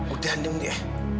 udah andung dia